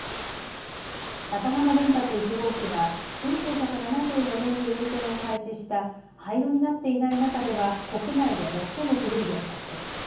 高浜原発１号機は１９７４年に運転を開始した廃炉になっていない中では国内で最も古い原発です。